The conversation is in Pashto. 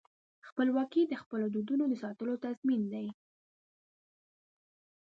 خپلواکي د خپلو دودونو د ساتلو تضمین دی.